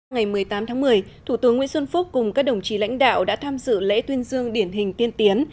ngày một mươi tám tháng một mươi thủ tướng nguyễn xuân phúc cùng các đồng chí lãnh đạo đã tham dự lễ tuyên dương điển hình tiên tiến